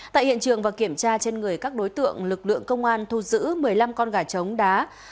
tại hiện trường và kiểm tra trên người các đối tượng lực lượng công an thu giữ một mươi năm con gà trống đá